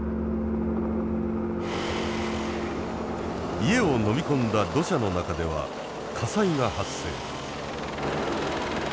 家をのみ込んだ土砂の中では火災が発生。